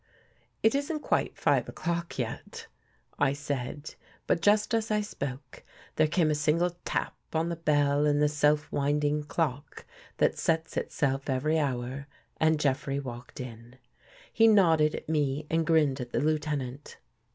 " It isn't quite five o'clock yet," I said. But just as I spoke, there came a single tap on the bell in the self winding clock that sets itself every hour, and Jeffrey walked in. He nodded at me and grinned at the Lieutenant.